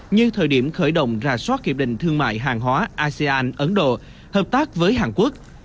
như thời điểm khởi động ra soát hiệp định thương mại hàng hóa asean ấn độ hợp tác với hàn quốc